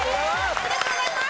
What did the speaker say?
ありがとうございます！